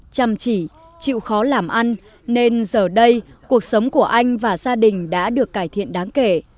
chăm chỉ chịu khó làm ăn nên giờ đây cuộc sống của anh và gia đình đã được cải thiện đáng kể